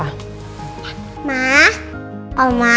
aku mau kantor papa dulu ya